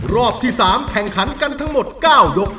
รอบที่๓แข่งขันกันทั้งหมด๙ยก